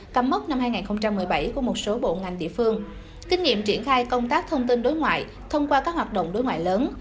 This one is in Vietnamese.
cắm mốc năm hai nghìn một mươi bảy của một số bộ ngành địa phương kinh nghiệm triển khai công tác thông tin đối ngoại thông qua các hoạt động đối ngoại lớn